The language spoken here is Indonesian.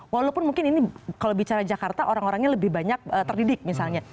walaupun mungkin ini kalau bicara jakarta orang orangnya lebih banyak terdidik misalnya